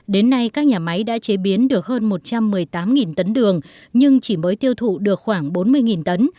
đến nay các nhà máy đã chế biến được hơn một trăm một mươi tám tấn đường nhưng chỉ mới tiêu thụ được khoảng bốn mươi tấn